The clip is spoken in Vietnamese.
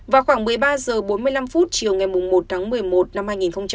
vào khoảng một mươi ba giờ bốn mươi năm phút chiều ngày một tháng một mươi một năm hai nghìn một mươi sáu